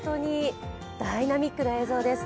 ダイナミックな映像です